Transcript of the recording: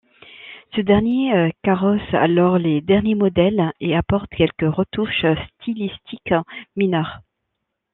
Ce derniers carrossent alors les derniers modèles et apportent quelques retouches stylistiques mineures.